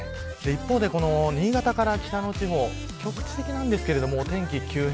一方で、新潟から北の地方局地的なんですけれどもお天気急変。